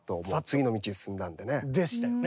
でしたよね。